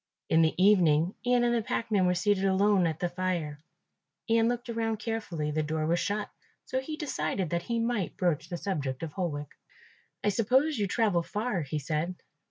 In the evening Ian and the packman were seated alone at the fire. Ian looked around carefully, the door was shut, so he decided that he might broach the subject of Holwick. "I suppose you travel far," he said.